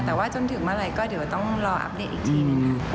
แต่ว่าจนถึงเมื่อไหร่ก็เดี๋ยวต้องรออัปเดตอีกทีหนึ่ง